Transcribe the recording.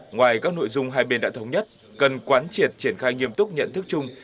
ngoài các nội dung hai bên đã thống nhất cần quán triệt triển khai nghiêm túc nhận thức chung